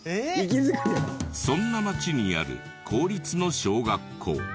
そんな町にある公立の小学校。